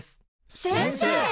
先生！